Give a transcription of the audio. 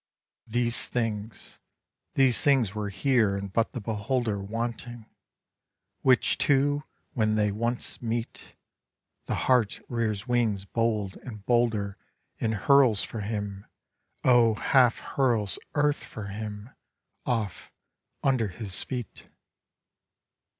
These things, these things were here and but the beholder Wanting; which two when they once meet, The heart rears wings bold and bolder And hurls for him, O half hurls earth for him off under his feet.